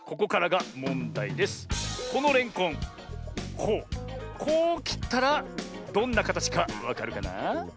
こうこうきったらどんなかたちかわかるかな？